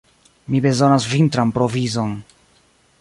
Mi bezonas vintran provizon.